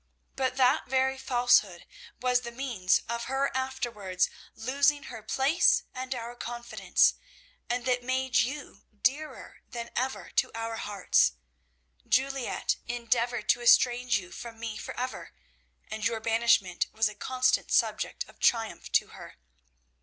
But that very falsehood was the means of her afterwards losing her place and our confidence, and that made you dearer than ever to our hearts. Juliette endeavoured to estrange you from me for ever, and your banishment was a constant subject of triumph to her.